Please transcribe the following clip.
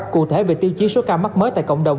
cụ thể về tiêu chí số ca mắc mới tại cộng đồng